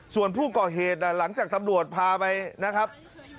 ส่วนผู้ก่อเหตุหลังจากตำรวจพาไปนะครับ